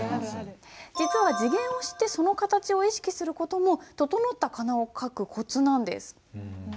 実は字源を知ってその形を意識する事も整った仮名を書くコツなんです。